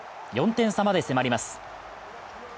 ４点差まで迫ります。